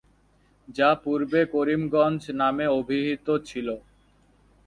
যা পূর্বে করিমগঞ্জ নামে অভিহিত ছিল।